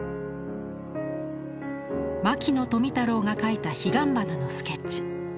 牧野富太郎が描いた彼岸花のスケッチ。